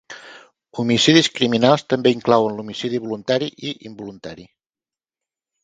Homicidis criminals també inclouen l'homicidi voluntari i involuntari.